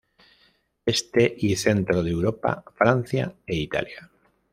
Este y centro de Europa, Francia e Italia.